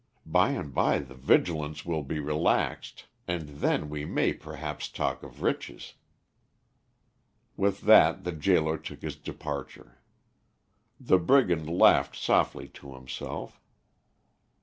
By and by the vigilance will be relaxed, and then we may perhaps talk of riches." With that the gaoler took his departure. The brigand laughed softly to himself.